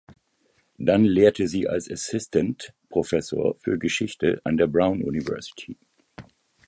Dann lehrte sie als Assistant Professor für Geschichte an der Brown University.